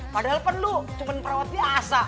padahal perlu cuma perawat biasa